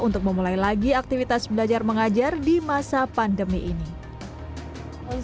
untuk memulai lagi aktivitas belajar mengajar di masa pandemi ini